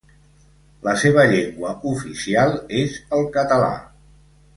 La seva llengua oficial és el català.